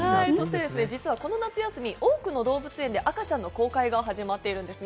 実はこの夏休み、多くの動物園で赤ちゃんの公開が始まっているんです。